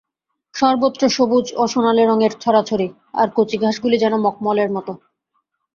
সর্বত্র সবুজ ও সোনালী রঙের ছড়াছড়ি, আর কচিঘাসগুলি যেন মখমলের মত।